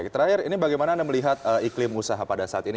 terakhir ini bagaimana anda melihat iklim usaha pada saat ini